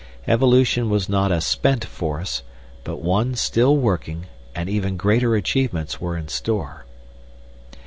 Evolution was not a spent force, but one still working, and even greater achievements were in store.